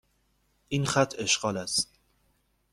این خط اشغال است.